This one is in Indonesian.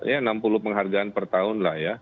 ya enam puluh penghargaan per tahun lah ya